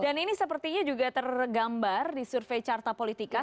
dan ini sepertinya juga tergambar di survei carta politika